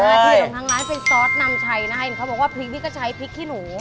ที่เดียนของทางร้านเป็นซอสนำชัยนะเขาบอกว่าพริกนี้ก็ใช้พริกขี้หนู